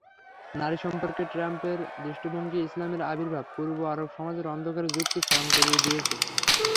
নারী সম্পর্কে ট্রাম্পের দৃষ্টিভঙ্গি ইসলামের আবির্ভাব-পূর্ব আরব সমাজের অন্ধকার যুগকে স্মরণ করিয়ে দিয়েছে।